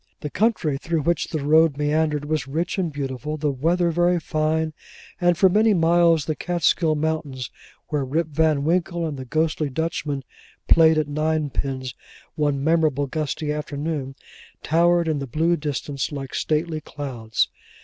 The country through which the road meandered, was rich and beautiful; the weather very fine; and for many miles the Kaatskill mountains, where Rip Van Winkle and the ghostly Dutchmen played at ninepins one memorable gusty afternoon, towered in the blue distance, like stately clouds.